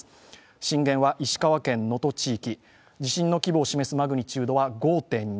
震源は石川県、能登地域地震の規模を示すマグニチュードは５．２。